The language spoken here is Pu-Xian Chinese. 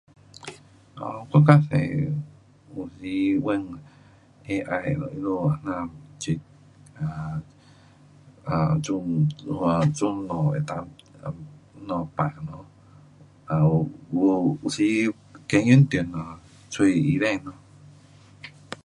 我较多有时问 AI, 他们这样是做，做什么能够，什么病咯，有时较严重了找医生咯。